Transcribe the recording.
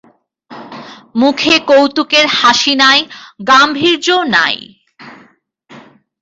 মুখে কৌতুকের হাসি নাই, গাম্ভীর্যও নাই।